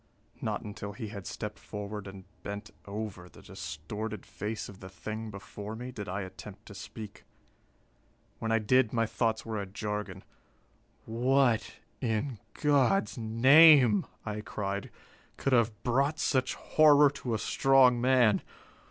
Not until he had stepped forward and bent over the distorted face of the thing before me, did I attempt to speak. When I did, my thoughts were a jargon. "What, in God's name," I cried, "could have brought such horror to a strong man?